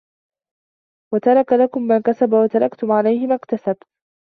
وَتَرَكَ لَكُمْ مَا كَسَبَ وَتَرَكْتُمْ عَلَيْهِ مَا اكْتَسَبَ